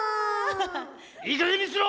いいかげんにしろ！